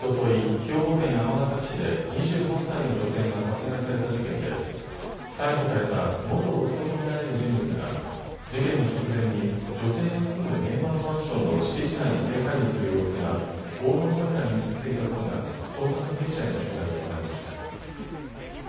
兵庫県尼崎市で２８歳の女性が殺害された事件で逮捕された元夫と見られる人物が事件の直前に女性が住む現場のマンションの敷地内に出はいりする様子が防犯カメラに写っていたことが捜査関係者への取材で分かりました。